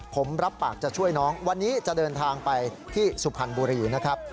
ผมรับปากจะช่วยน้องวันนี้จะเดินทางไปที่สุพรรณบุรีนะครับ